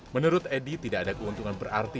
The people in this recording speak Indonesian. menurut edi tidak ada keuntungan berarti